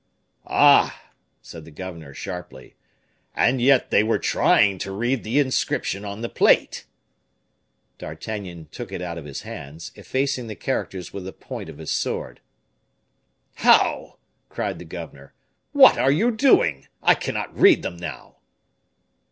"Ah!" said the governor, sharply. "And yet they were trying to read the inscription on the plate." D'Artagnan took it out of his hands, effacing the characters with the point of his sword. "How!" cried the governor, "what are you doing? I cannot read them now!"